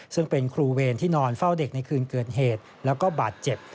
ซึ่งเป็นครูเวรที่นอนเฝ้าเด็กในคืนเกิดเหตุแล้วก็บาดเจ็บ